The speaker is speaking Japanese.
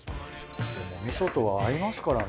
でもみそとは合いますからね。